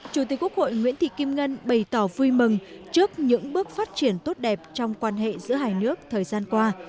chủ tịch quốc hội nguyễn thị kim ngân bày tỏ vui mừng trước những bước phát triển tốt đẹp trong quan hệ giữa hai nước thời gian qua